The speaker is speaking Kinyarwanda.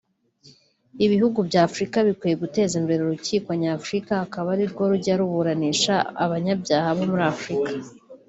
ibihugu bya Afurika bikwiye guteza imbere urukiko nyafurika akaba ari rwo rujya ruburanisha abanyabyaha bo muri Afurika